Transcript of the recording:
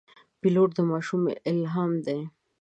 پیلوټ د ماشومانو الهام دی.